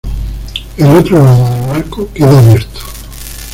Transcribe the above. El otro lado del marco queda abierto.